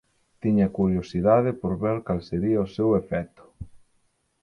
Tiña curiosidade por ver cal sería o seu efecto.